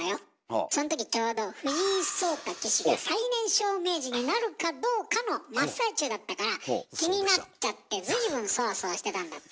そんときちょうど藤井聡太棋士が最年少名人になるかどうかの真っ最中だったから気になっちゃって随分そわそわしてたんだって？